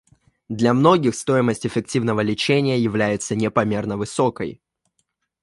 Для многих стоимость эффективного лечения является непомерно высокой.